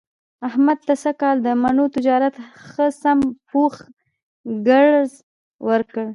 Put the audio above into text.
احمد ته سږ کال د مڼو تجارت ښه سم پوخ ګړز ورکړ.